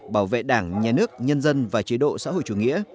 bảo vệ đảng nhà nước nhân dân và chế độ xã hội chủ nghĩa